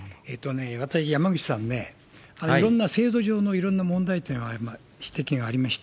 私、山口さんね、いろんな制度上のいろんな問題点は指摘がありました。